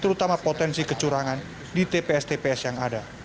terutama potensi kecurangan di tps tps yang ada